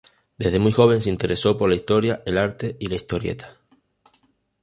Desde muy joven se interesó por la historia, el arte y la historieta.